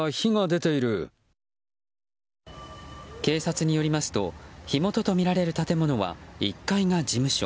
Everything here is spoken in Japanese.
警察によりますと火元とみられる建物は１階が事務所。